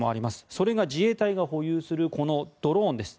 それが自衛隊が保有するこのドローンです。